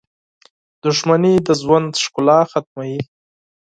• دښمني د ژوند ښکلا ختموي.